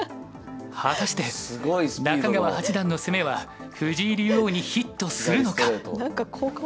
果たして中川八段の攻めは藤井竜王にヒットするのか！